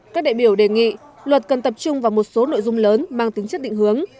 các đại biểu đề nghị luật cần tập trung vào một số nội dung lớn mang tính chất định hướng